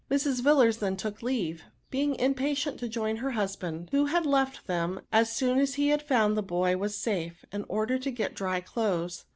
Mrs. Villars then took leave, being impatient to join her husband, who had left them, as soon as he found the boy was safe, in order to get dry clothes.